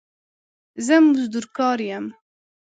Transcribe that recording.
زه مزدور کار يم